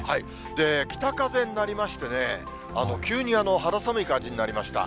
北風になりましてね、急に肌寒い感じになりました。